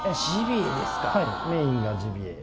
はいメインがジビエ。